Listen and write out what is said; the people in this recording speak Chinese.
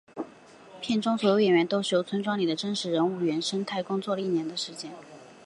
片中的所有演员都是由村庄里的真实人物原生态工作了一年时间。